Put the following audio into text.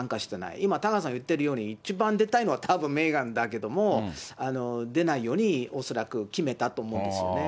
今、多賀さん言っているように、一番出たいのはたぶんメーガンだけども、出ないように恐らく決めたと思うんですよね。